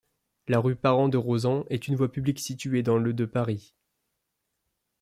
La rue Parent-de-Rosan est une voie publique située dans le de Paris.